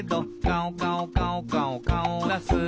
「かおかおかおかおかおをだす」